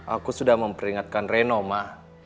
aku sudah memperingatkan reno ma